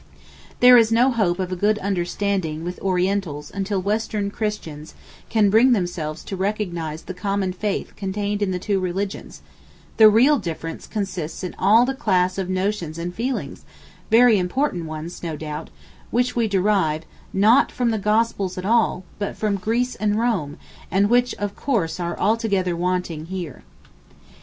There is no hope of a good understanding with Orientals until Western Christians can bring themselves to recognise the common faith contained in the two religions, the real difference consists in all the class of notions and feelings (very important ones, no doubt) which we derive—not from the Gospels at all—but from Greece and Rome, and which of course are altogether wanting here.